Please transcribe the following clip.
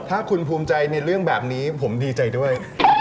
ถ้าคุณภูมิใจในเรื่องแบบนี้ผมดีใจด้วย